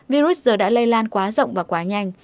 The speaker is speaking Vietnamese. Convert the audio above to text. virus giờ đã lây lan quá rộng và quá nhanh